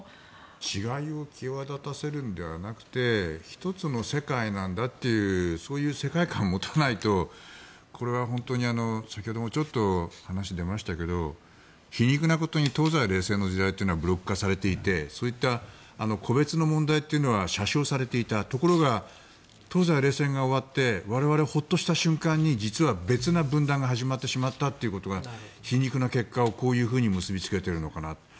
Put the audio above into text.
違いを際立たせるのではなくて一つの世界なんだというそういう世界観を持たないとこれは本当に先ほどもちょっと話に出ましたが皮肉なことに東西冷戦の時代というのはブロック化されていてそういった個別の問題というのは捨象されていたところが、東西冷戦が終わって我々がホッとした瞬間に実は別の分断が始まってしまったということは皮肉な結果をこういうふうに結びつけているのかなと。